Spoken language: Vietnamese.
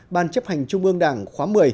ban chấp hành trung ương đảng khóa một mươi